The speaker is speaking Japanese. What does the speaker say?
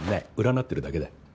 占ってるだけだ。